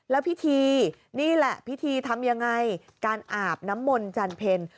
แล้วพิธีนี่แหละพิธีทำยังไงการอาบน้ำมนต์จันเพล